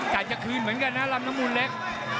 จะคืนเหมือนกันนะลำน้ำมูลเล็ก